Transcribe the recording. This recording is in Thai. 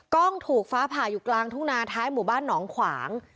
กล้องถูกฟ้าผ่าอยู่กลางทุ่งนาท้ายหมู่บ้านหนองขวาง